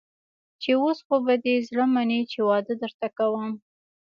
چې اوس خو به دې زړه مني چې واده درته کوم.